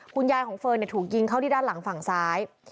คุณยายของเฟิร์นถูกยิงเข้าที่ด้านหลังฝั่งซ้าย